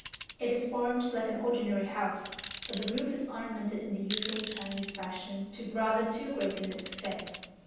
It is formed like an ordinary house, but the roof is ornamented in the usual Chinese fashion to rather too great an extent.